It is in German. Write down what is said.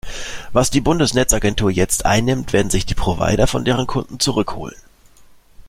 Was die Bundesnetzagentur jetzt einnimmt, werden sich die Provider von deren Kunden zurück holen.